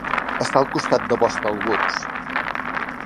Està al costat de Bostall Woods.